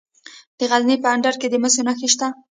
د غزني په اندړ کې د مسو نښې شته.